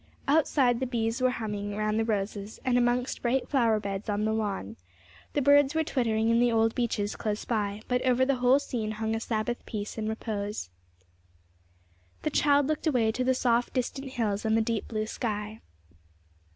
Outside the bees were humming round the roses and amongst the bright flower beds on the lawn; the birds were twittering in the old beeches close by; but over the whole scene hung a Sabbath peace and repose. The child looked away to the soft distant hills and the deep blue sky.